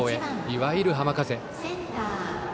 いわゆる浜風。